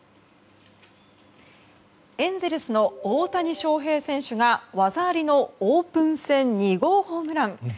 エンゼルスの大谷翔平選手が技ありのオープン戦２号ホームラン。